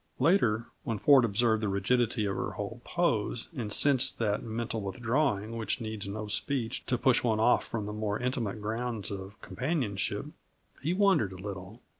Later, when Ford observed the rigidity of her whole pose and sensed that mental withdrawing which needs no speech to push one off from the more intimate ground of companionship, he wondered a little.